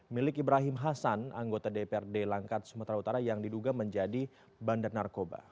milik ibrahim hasan anggota dprd langkat sumatera utara yang diduga menjadi bandar narkoba